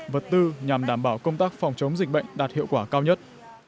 vật tư nhằm đảm bảo công tác phòng chống dịch bệnh đạt hiệu quả cao nhất